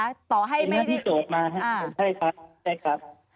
เป็นหน้าที่โจทย์มานะใช่ครับ